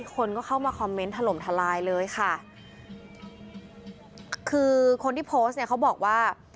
คนก็เข้ามาคอมเมนต์ถล่มทลายเลยค่ะคือคนที่โพสต์เนี่ยเขาบอกว่า